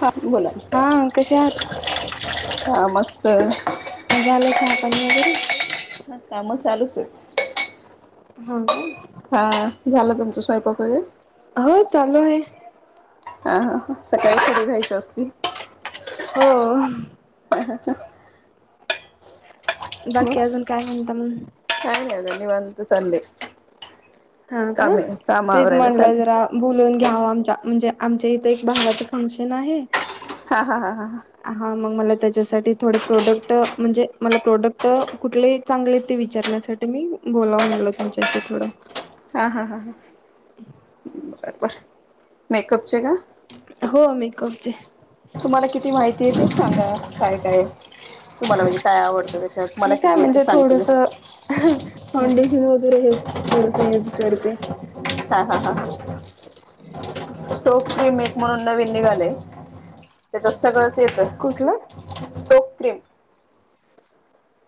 हा बोला हाय कशे आहात. हा मस्त झालंय चहा पाणी वगैरे. चालू चे हां काय? हा झालं तुमच स्वयंपाक [unintelligible] हो चालू आहे. हा हा सकाळी पुढ जायच असते. हो. अहं ह बाकी अजून काय म्हणता म्ह काय नाही बघा निवांत चाललंय. हा का तेच म्हटलं चालले जरा बोलून घ्याव आमच्या म्हणजे आमचे इथं एक भावाचं फंक्शन आहे. हा हा हा हा आहा मग मला त्याच्यासाठी थोडे प्रोडक्ट म्हणजे मला प्रोडक्ट कुठले चांगले ते विचारण्यासाठी मी बोलाव म्हटलं तुमच्याशी थोडं. हा हा हा हा [inaudible] [unintelligible] मेकपचे का? हो मेकअपचे तुम्हाला किती माहिती आहे ते सांगा काय काय तुम्हाला म्हणजे काय आवडतं त्याच्यात [inaudible] मला मी काय किती आहे ते म्हणजे सांगते थोडस अह मी फौउंडेशन वगैरे हेच थोडस यूज करते. हा हा ह स्टोक्रीम एक म्हणून नवीण निघाली त्या सगळ येत कुठलं? Stock cream.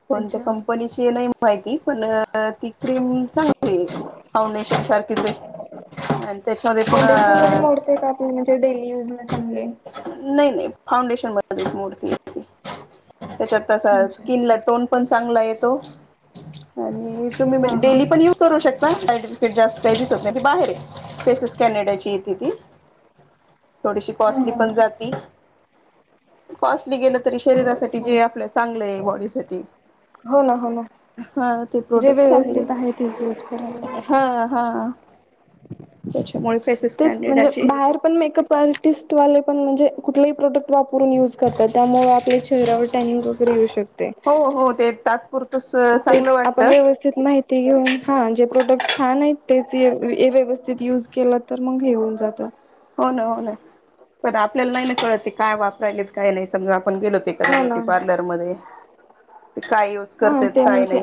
कोणत्या अच्छा कंपनीची नाही माहिती पण. ती क्रीम चांगली फाउंडेशन सारखीच. आणि त्याच्यामध्ये पण फाउंडेशन मध्ये मोडते का आपले म्हणजे डेली युज ला चांगले? नाही नाही. फाउंडेशन ब मूर्ती होती त्याच्यात तसा अच्छा अच्छा. स्किनलट चांगला आहेेतो आणि तुम्ही हा म्हण हा. डेली पण युज करू शकता. सर्टिफिकेट जास्त काही दिसत नाही त बाहेर फेसेस कॅनेडाची येते ती. थोडीशी कॉस्टली पण जाती. कास्टली गेलं तरी शरीरासाठी जे आपल्या चांगलं आहे बॉडीसाठीठी हो ना हो ना हा. ते जे प्रोडक्ट चांगले व्यवस्थित आहे तेच यूज करावी. हा हा त्याच्यामुळे फेसेस तेच म्हणजे कॅनडेडाची बाहेर पण मेकअप आर्टिस्ट म्हणे कुठलाही प्रोडक्ट वापरून युज करतात त्यामुळे आपल्या चेहऱ्यावर टॅन वगैरे येऊ शकते. हो हो ते तात्पुरतच चांगलं तेच आपण वाटतं व्यवस्थित माहिती. ते घेऊन हां जे प्रोडक्ट छान आहेत तेच व्यवस्थित यूज केलं तर मग हेऊन जातं. हो ना हो ना पण आपल्याला नाही ना कळतते काय वापरायली काय नाही समजा. आपण गेलोते कदा हो ना ब्युटी पार्लरमध्येध्ये हा ते म्हणजे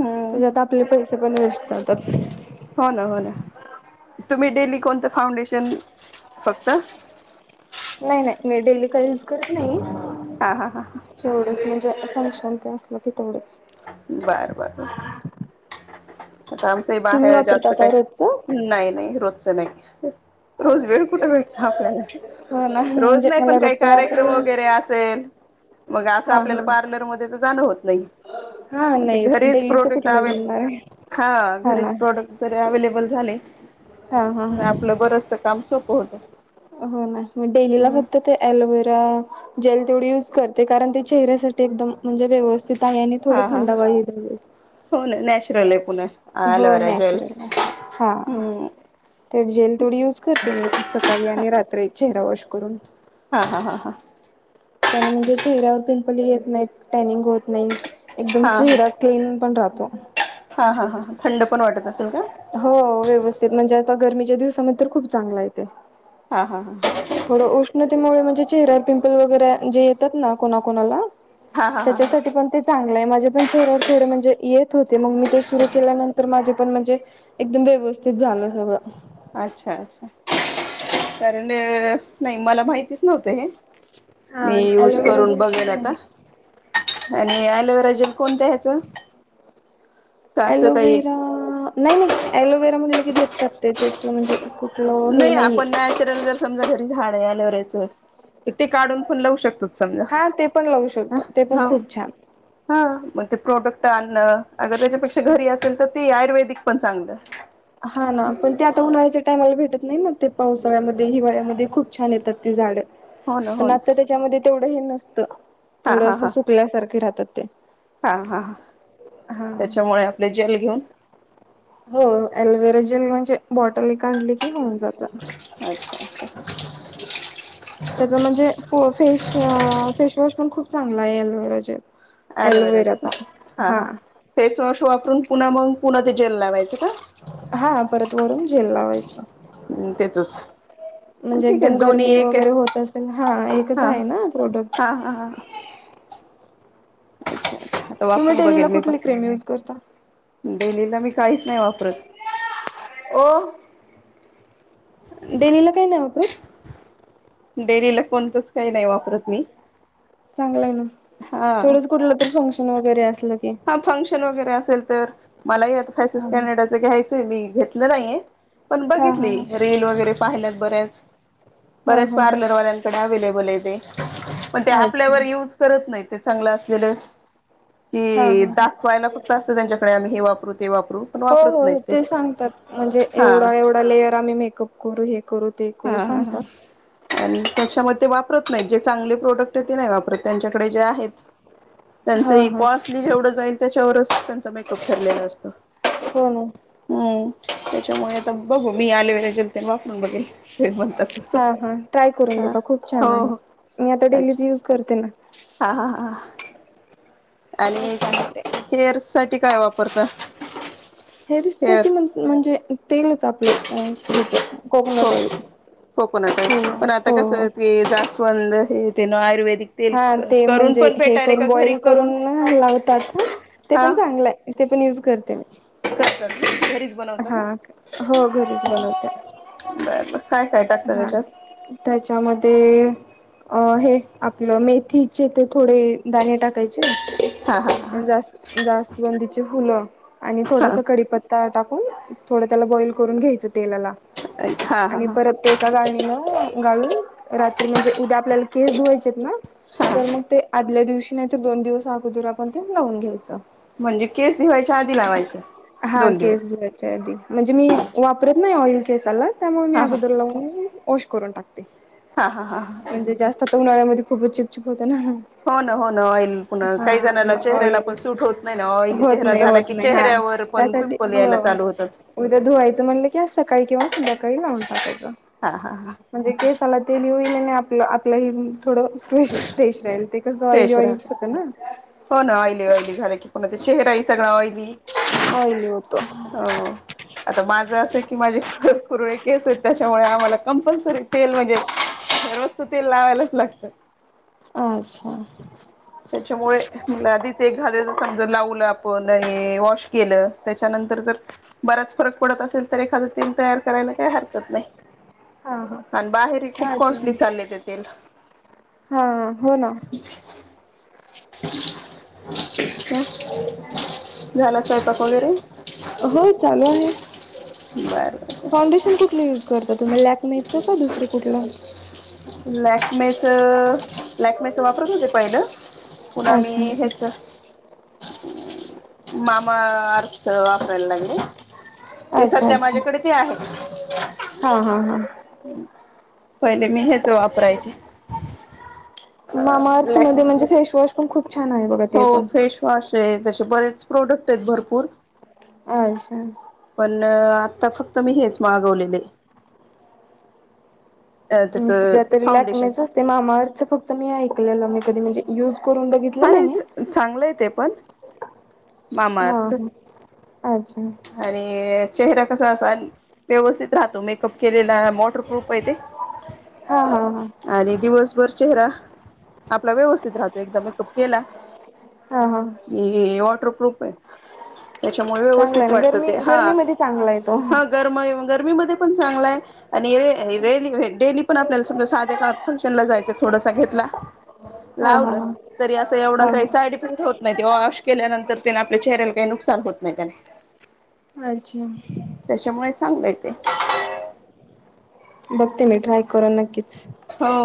हम्म त्याच्यात आपले पैसे. ते पण वस्तात. हो ना हो ना. तुम्ही डेली कोणतं फाउंडेशन फक्त. नाही नाही मी डेली काही युज करत नाही. हा हा हा ह. ज आपण कण ते असल की तेवढच. बर बर बर. आता आमचं तुम्ही बाहेर वापरता जास्त का रोजचं काही नाही नाही रोजचं नाही. रोज वेळ कुठे भेटतो आपल्याला हो ना रोज म्हणजे नाही मला पण काही रोजच कार्यक्रम वापरायला वगैरे असेल. मग असं हा आपल्याला हा पार्लरमध्येध्ये तर जाणं होत नाही. हा मग ते नाही घरीच डेलीच प्रोडक्ट कुठलं जमणार आहे आवेलेबल हा घरीच प्रोडक्ट जरी अवे. हा हा तर आपलं बरचस काम सोप होत. हो ना डेलीला फक्त ते अलोवेरा जेल. तेवढी युज करते कारण ते चेहऱ्यासाठी एकदम म्हणजे व्यवस्थित आहे आणि थोडं हा हा हा थंडावाळेत. हो ना नॅचरल आहे पुन्हा हो अलोवेरा जेल नॅचरल आहे हा. हम्म तर जेल थोडी युज करते मी सकाळी आणि रात्री चेहरा वॉश करून. हा हा हा हा. त्याने म्हणजे चेहऱ्यावर पिंपल येत नाहीत टायनिंग होत नाही. एकदम हा हा चेहरा क्लीन पण राहतो. हा हा हा थंड पण वाटत असेल का हो व्यवस्थित म्हणजे गरमीच्या दिवसामध्ये खूप चांगला येते हा हा हा थोड उष्णतेमुळे चेहर्‍यावरपिंपल येतात ना कोणाकोणाला हा हा हा हा त्याच्यासाठी चांगल आहे. पण चेहऱ्यावर थोडे म्हणजे येत होते मग मी ते सुरु केल्यानंतर माझे पण म्हणजे एकदम व्यवस्थित झालं सगळं अच्छा अच्छा कारण नाही मला माहितीच नव्हत हे हा मी यूज ॲलोवेरा करून जेल बघल छान आता आहे. आणि अलोवेरा जेल कोणत्या ह्याचं का असं काही अलोवेरा नाही नाही अलोवेरा म्हणलं की देतात ते त्याच म्हणजे कुठलं हे नाही नाहीये. आपण नॅचरल जर समजा घरी झाड आहे एलोवेराच तर ते काढून पण लावू शकतो. हा ते पण लावू शकतो ते पण खूप छान हा मग ते प्रोडक्ट आणणं अगंर त्याच्यापेक्षा घरी असल तर ते आयुर्वेदिक पण चांगलं. हा ना पण ते आता उन्हाळ्याच्या टायमाला भेटत नाही ना ते पावसाळ्यामध्ये हिवाळ्यामध्ये खूप छान येतात ती झाडं. हो ना हो पण ना आता त्याच्यामध्ये तेवढं हे नसतं हा थोडं हा अस हा सुकल्यासारखे राहतात ते हा हा हा हा त्याच्यामुळे आपले जेल घेऊन हो अलोवेरा जेल म्हणजे बॉटल एक आणली की होऊन जात अच्छा त्याच म्हणजे फो फेश अ फेशवॉश पण खूप चांगला य. एलोवेरा जेल ॲलोवेराचं एलोवेराचा का हां हा हां फेसवॉश वापरून पुन्हा मग पुन्हा ते जेल लावायचं का? हा परत वरून जेल लावायचं. हम्म तेचच म्हणजे एकदम गरमी वगैरे होत असेल हा एकच हा हाय ना प्रोडक्ट [inaudible] हा हा हा आता तुम्ही वापरून बघेल डेलीला मी कुठली क्रीम युज करता. डेलीला मी काहीच नाय वापरत. ओ डेलीला काय नाय वापरत. डेलीला कोणतंच काही नाही वापरत मी चांगलं आहे ना हा तेवढंच कुठलं तर फंक्शन वगैरे अस हा फंक्शन वगैरे असेल तर मलाही आता फैसेस हा हा कॅनडाचं घ्याय यच मी घेतलं नाय ये पण हा बघितली हा. रिल वगैरे पाहिल्यात बऱ्याच हा बऱ्याच हा हा पार्लरवाल्याकडे अवेलेबल ये ते पण ते अच्छा आपल्यावर युज करत नाहीत. ते चांगलं असलेलं हा की हा ह दाखवायला फक्त असंत त्यांच्याकडे आम्ही हे वापरू ते वापरू पण हो वापरत नाहीत हो ते सांगतात म्हणजे हा एवढा एवढा लेयर आम्ही मेकअप करू हे करू ते करू हा हा हा सांगतात. आणि त्याच्यामध्ये ते वापरत नाही जे चांगले प्रोडक्ट ते नाय वापरत त्यांच्याकडे जे आहेत त्यांचं हा ही हा कॉस्टली जेवढं जाईल त्याच्यावरच त्यांचा मेकअप ठरलेलं असतो. हो ना हम्म त्याच्यामुळे आता बघू मी आले एलोवेरा जेल तेन वापरून बघेल. ते म्हणतात तसं. हा हा ट्राय करून हा बघा खूप हो छान आहे हो मी आता डेलीचं अच्छा युज करते ना हा हा हा आणि मस्त आहे ते. हेअर साठी काय वापरता? हेअर साठी म्हणजे तेलच आपल अं ह्याच कोकोनट ऑइल. कोकोटन ऑइल हो पण आता हो कस जास्वंद हे तेन आयुर्वेद तेल हा ते करून म्हणजे पण हे भेटायले करून का घरी बॉईल करून लावतात हं ते हा पण चांगलं हाय ते पण युज करते मी करते घरी हा हो घरीच बनवते. बर बर काय काय टाकता हा त्याच्यात? त्याच्यामध्ये अ हे आपलं मेथीचे ते थोडे दाणे टाकायचे हा हा हा जा जास्वंदीची फुलं आणि हा थोडसा कडीपत्ता टाक थोडं त्याला बॉईल करून घ्यायचं तेलाला हा हा आणि हा परत ते एका गाळणीनं गाळून रात्री म्हणजे उद्या आपल्याला केस धुवायचेत ना तर हा मग ते आदल्या दिवशी नाही तर दोन दिवस अगोदर आपण ते लावून घ्यायचं. म्हणजे केस धुवायच्या आधी लावायचं. हा दोन केस दिवस धुवायच्या आदि म्हणजे मी वापरत नाही ऑइल केसाला त्यामुळं मी हा हा अगोदर लावुन वाँश करुन टाकते. हा हा हा हा उन्हाळ्यामध्ये खूपच चिपचिप होतं ना हो ना हो ना आँईल पुन्हा काही जणाना हा चेहऱ्याला ऑइल पण सूट होत नाही ना होत चेहरा आँयली नाही झाला होत की नाही हा चेहऱ्यावर पण त्यासाठी पिंपल हो यायला चालू होतात. उद्या धुवायच म्हटलं की अस सकाळी किंवा संध्याकाळी लावून टाकायचं हा हा हा म्हणजे केसांना तेल ही होईल आपलं आपलं ह थोड फ्रेश फ्रेश राहील ते कस ऑईली फ्रेश राहत ऑइलीच होत ना हो ना आँइली-आँइली झाले की पुन्हा ते चेहराही सगळा आँईली. होतं आता माझं असं की माझे खरंच कुरळे केस आहेत, त्याच्यामुळे आम्हाला कंपल्सरी तेल म्हणजे रोजचं तेल लावायलाच लागतं. अच्छा. त्याच्यामुळे म्ह [unintelligible] आधीच एकखाद्या ज समजा लावलं आपण वॉश केलं. त्याच्यानंतर जर बराच फरक पडत असेल, तर एखादं तेल तयार करायला काही हरकत नाही. हा हा आणि बाहेरही खूप हा ते कॉस्टली चाललेत तेल. हा हो ना [inaudible] झाला स्वयंपाक वगैरे? हो चालू आहे, बर बर फाउंडेशन कुठली युज करत तुम्ही लॅकमेच का दुसरं कुठलं? लॅकमेचं लॅकमेच वापरत होते पहिलं. पुन्हा मी अच्छा हेच मामा- स वापरायला लागले ते अच्छा सध्या माझ्याकडे ते आहे. हां [unintelligible] हां पहिले मी हेच वापरायचे. मामा अर्थ लॅक्मे मध्ये म्हणजे फेसवॉश पण खूप छान आहे बघा, ते पण ते तसे बरेच प्रोडक्ट आहेत, भरपूर अच्छा. पण आता फक्त मी हेच मागवलेले. अ मी त्याचं सगळ्या तरी फाउंडेशन लॅकमेच असते, मामा अर्थ फक्त मी ऐकलेल मी कधी म्हणजे युज करून बघितलं हा नाही चांगलंय ते पण मामा हा अर्थच हा अच्छा आणि चेहरा कसा असा व्यवस्थित राहतो, मेकअप केलेला वॉटरप्रूफ आहे ते. हा हा हा बरं चेहरा आपला व्यवस्थित राहतो एकदा मेकअप केला. हा हा कि वॉटरप्रुफ आहे, त्याच्यामुळे चांगला आहे व्यवस्थित ना वाटतं गरमी ते हा गरमीमध्ये चांगला आहे तो हा गरमाई गर्मीमध्ये हे पण चांगलं आहे आणि हे डेली हे डेली पण आपलाल्या साध्या फक्शनला जायचंय थोडंसं घेतलं हा लावलं हा तरी अस एवढ हा काही हा साईड इफेक्ट होत नाही ते वाँश केल्यानंतर आपल्या चेहऱ्याला काही नुकसान होत नाही त्याने अच्छा. त्याच्यामुळे [inaudible] बघते मी ट्राय करून नक्कीच. हो.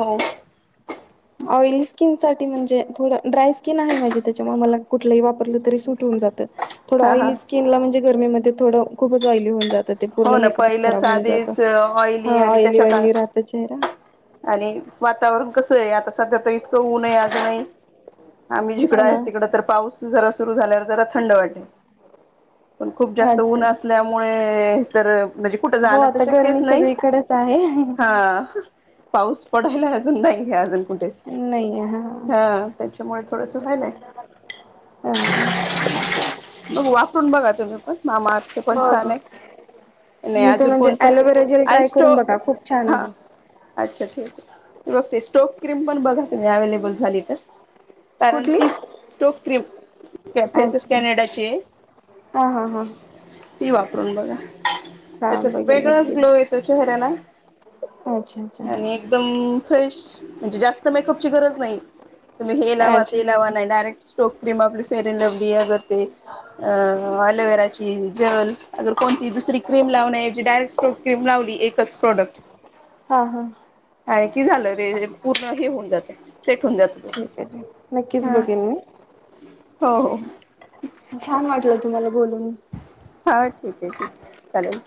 आँईली स्किनसाठी म्हणजे, थोडं ड्राय स्किन आहे माझी, त्याच्यामुळे मला कुठलंही वापरलं तरी सुट होवून जातं. थोडं हा हा ऑइली स्किनला म्हणजे गरमीमध्ये थोडं खूपच ऑइली होऊन जात ते हो पूर्ण ना मेकअपच पहिलंच खराब होऊन जात, आधीच ऑइली हा आणि त्याच्यात ऑइली-ऑइली राहत चेहरा. आणि वातावरण कस आहे आता? सध्या तर इतकं ऊने आज नाही आम्ही हो जिकडं आहे, ना तिकड तर पाऊस जरा सुरू झाल्यावर जरा थंड वाटेल. पण खूप जास्त अच्छा ऊन अच्छा असल्यामुळे तर म्हणजे कुठं हो जाणं तर आता गरमी शक्यच नाही. सगळीकडेच आहे हा. पाऊस पडायला अजून नाही घ अजून- कुठेच, नाही हा हा त्याच्यामुळे थोडस व्हायलाय. हा. बग वापरून बघा तुम्ही पण माम आचे पण छान आहे. नाही मी ते अजून म्हणजे कोणतं अलोवेरा जेल ट्राय आयस्टो करून बघा खूप छान हा आहे. अच्छा ठीक आहे बघते स्टोक क्रीम पण बघा तुम्ही अवे्लेबल झाली तर. कारण कुठली? ती स्टोक क फेसेस अच्छा कॅनेडाची आहे. हा हा हा. ती वापरून बघा हा त्याच्यात बघेल वेगळाच ग्लो नक्कीच येतो चेहऱ्याला. अच्छा अच्छा. आणि एकदम फ्रेश म्हणजे जास्त मेकअपची गरज नाही. तुम्ही हे लावा अच्छा ते लावा नाही डायरेक्ट स्टोक क्रीम आपली फेरड लव्हली अग ते.. अ अलोवेराची जल अगर कोणती दुसरी क्रीम लावणे जी डायरेक्ट स्टोक क्रीम लावली.. एकच प्रॉडक्ट. हा हा. आणि की झालं ते पूर्ण हे होऊन जाते. सेट होऊन जात ठीक आहे ठीक नक्कीच हा बघेन मी. हो हो.. छान वाटलं तुम्हाला बोलून. हो ठीक आहे ठीक चालेल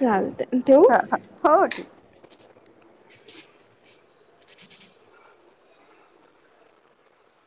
चालतंय ह ठेवू? हा हो हो ठीक.